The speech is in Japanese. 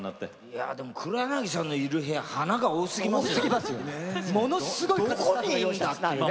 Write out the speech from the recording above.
黒柳さんのいる部屋花が多すぎますよ。